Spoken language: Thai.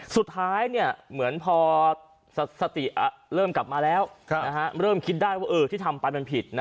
สุดท้ายเหมือนพอสติเริ่มกลับมาแล้วเริ่มคิดได้ว่าที่ทำไปมันผิด